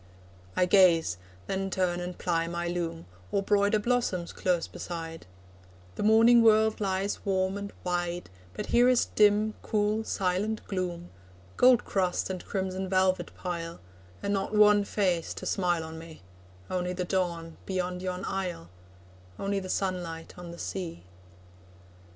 I gaze then turn and ply my loom, Or broider blossoms close beside; The morning world lies warm and wide, But here is dim, cool silent gloom, Gold crust and crimson velvet pile, And not one face to smile on me Only the dawn beyond yon isle, Only the sunlight on the sea.